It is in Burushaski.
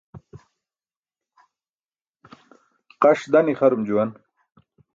Qaṣ dan ixarum juwan.